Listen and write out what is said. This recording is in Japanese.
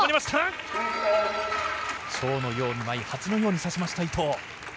蝶のように舞い、蜂のように刺しました伊藤。